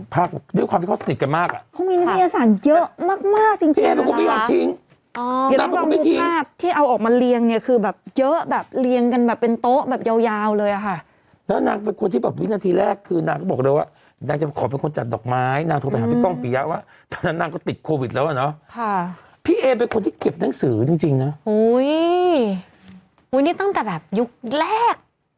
ไปคนที่เก็บหนังสือจริงจริงน่ะโอ้ยโอ้ยนี่ตั้งแต่แบบยุคนักแรก